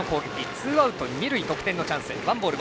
ツーアウト、二塁得点のチャンス。